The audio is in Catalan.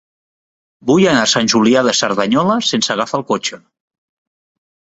Vull anar a Sant Julià de Cerdanyola sense agafar el cotxe.